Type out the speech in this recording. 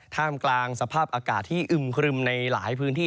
ท่ามกลางสภาพอากาศที่อึมครึมในหลายพื้นที่